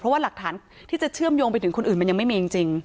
เพราะว่าหลักฐานที่จะเชื่อมโยงไปถึงคนอื่นมันยังไม่มีจริง